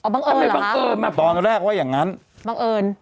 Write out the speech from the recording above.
อ๋อบังเอิญเหรอครับตอนแรกว่าอย่างนั้นบังเอิญ